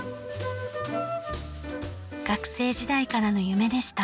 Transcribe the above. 学生時代からの夢でした。